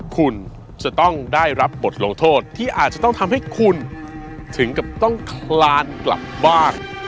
คุณจะต้องได้รับบทลงโทษที่อาจจะต้องทำให้คุณถึงกับต้องคลานกลับบ้าน